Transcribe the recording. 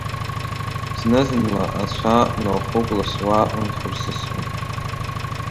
Зны-зынла ацәа наухыкәласуа, унхырсысуа…